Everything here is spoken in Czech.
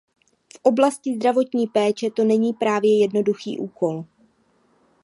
V oblasti zdravotní péče to není právě jednoduchý úkol.